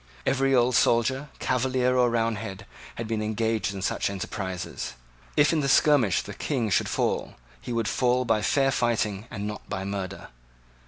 Every old soldier, Cavalier or Roundhead, had been engaged in such enterprises. If in the skirmish the King should fall, he would fall by fair fighting and not by murder.